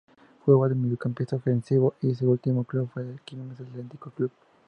Jugaba de mediocampista ofensivo y su último club fue Quilmes Atletico Club.